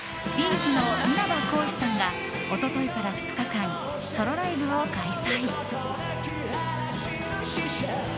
’ｚの稲葉浩志さんが一昨日から２日間ソロライブを開催！